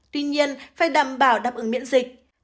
tuy nhiên phải đảm bảo đáp ứng miễn dịch